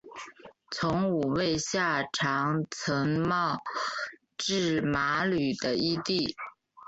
从五位下长岑茂智麻吕的义弟。